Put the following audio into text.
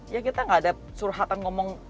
ya kita gak ada surhatan ngomong